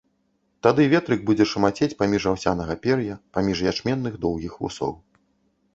Тады ветрык будзе шамацець паміж аўсянага пер'я, паміж ячменных доўгіх вусоў.